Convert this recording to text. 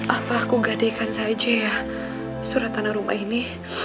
apa aku gak dekan saja ya surah tanah rumah ini